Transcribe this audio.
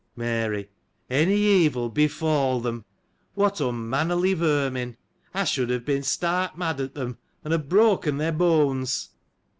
Mary. — Any evil befall them P What unmannerly vermin ! I should have been stark mad at them, and have broken their bones.